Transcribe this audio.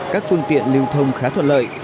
các phương tiện lưu thông khá thuận lợi